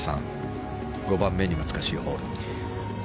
５番目に難しいホール。